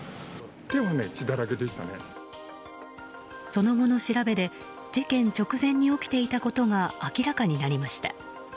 その後の調べで事件直前に起きていたことが明らかになりました。